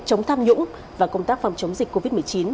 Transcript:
chống tham nhũng và công tác phòng chống dịch covid một mươi chín